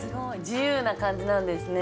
自由な感じなんですね。